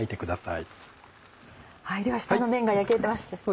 では下の面が焼けました。